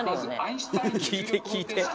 聞いて聞いて。